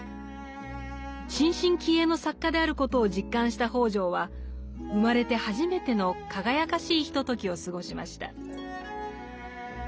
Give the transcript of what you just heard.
新進気鋭の作家であることを実感した北條は生まれて初めての輝かしいひとときを過ごしました。